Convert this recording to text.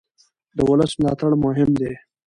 د ولس ملاتړ مهم دی